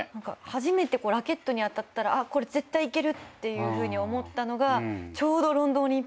初めてラケットに当たったらこれ絶対いけるっていうふうに思ったのが。